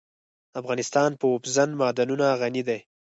افغانستان په اوبزین معدنونه غني دی.